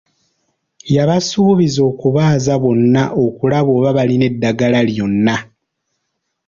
Yabasuubiza okubaaza bonna okulaba oba balina eddagala lyonna.